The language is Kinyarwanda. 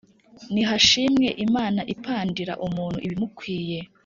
nihashimwe imana ipandira umuntu ibikwiye